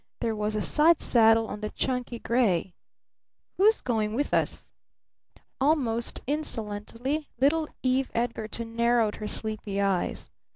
There was a side saddle on the chunky gray. "Who's going with us?" Almost insolently little Eve Edgarton narrowed her sleepy eyes.